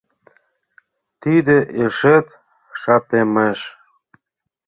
Тиде ешет шапемеш.